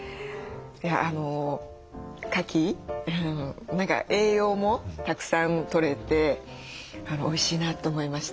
かき何か栄養もたくさんとれておいしいなと思いました。